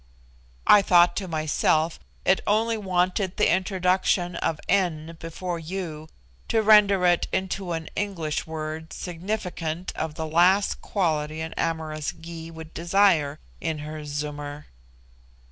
I thought to myself it only wanted the introduction of 'n' before 'u' to render it into an English word significant of the last quality an amorous Gy would desire in her Zummer.